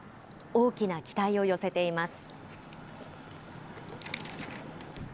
大きな期待を寄せています。